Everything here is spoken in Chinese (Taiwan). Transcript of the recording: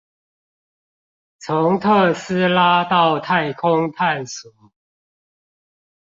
從特斯拉到太空探索